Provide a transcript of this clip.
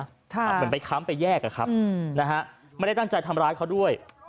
เหมือนไปค้ำไปแยกอะครับนะฮะไม่ได้ตั้งใจทำร้ายเขาด้วย